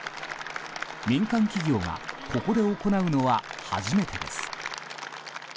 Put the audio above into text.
民間企業が、ここで行うのは初めてです。